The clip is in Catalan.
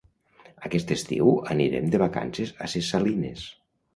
Aquest estiu anirem de vacances a Ses Salines.